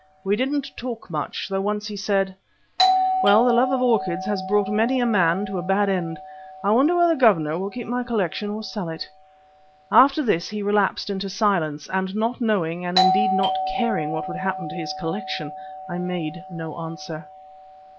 We didn't talk much, though once he said: "Well, the love of orchids has brought many a man to a bad end. I wonder whether the Governor will keep my collection or sell it." After this he relapsed into silence, and not knowing and indeed not caring what would happen to his collection, I made no answer.